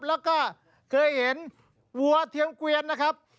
แล้วก็เคยเห็นวัวเทียมเกวียนนะครับ